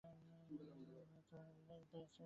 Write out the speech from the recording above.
বেচারা চিরকুমার কটির জন্যে একটা কোণও ফাঁকা রাখে নি।